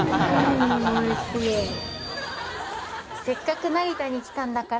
「せっかく成田に来たんだったら」